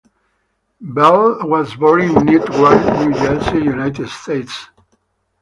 Bell was born in Newark, New Jersey, United States.